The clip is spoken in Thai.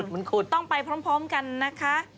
มันขุดต้องไปพร้อมกันนะคะ